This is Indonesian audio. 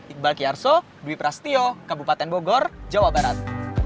iqbal kiarso dwi prasetyo kabupaten bogor jawa barat